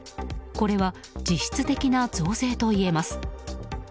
これは実質的な増税といえます。